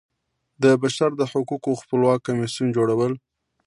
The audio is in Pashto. د بشر د حقوقو خپلواک کمیسیون جوړول.